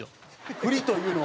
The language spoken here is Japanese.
フリというのは？